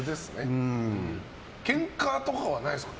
ケンカとかはないんですか？